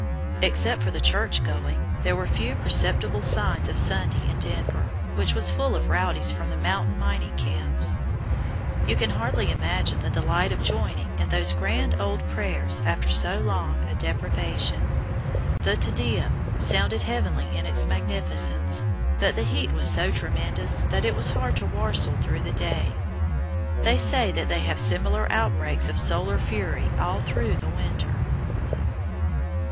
Except for the church going there were few perceptible signs of Sunday in Denver, which was full of rowdies from the mountain mining camps. You can hardly imagine the delight of joining in those grand old prayers after so long a deprivation. The "Te Deum" sounded heavenly in its magnificence; but the heat was so tremendous that it was hard to "warstle" through the day. They say that they have similar outbreaks of solar fury all through the winter.